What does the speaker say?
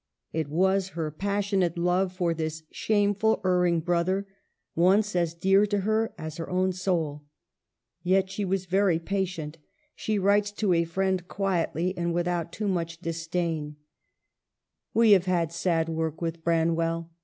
It was her passionate love for this shameful, erring brother, once as dear to her as her own soul. Yet she was very pa tient. She writes to a friend quietly and with out too much disdain : 160 EMILY BRONTE. " We have had sad work with Branwell.